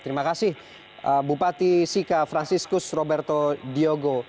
terima kasih bupati sika franciscus roberto diogo